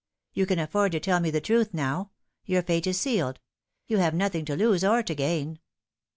You can afford to tell me the truth now. Your fate is sealed ; you have nothing to lose or to gain."